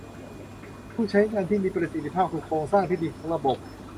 ผู้ใช้งานที่มีประสิทธิภาพคือโครงสร้างที่ดีของระบบ